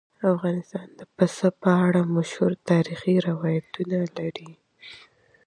افغانستان د پسه په اړه مشهور تاریخی روایتونه لري.